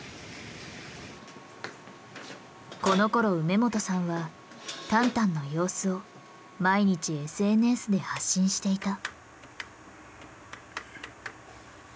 このころ梅元さんはタンタンの様子を毎日ＳＮＳで発信していた。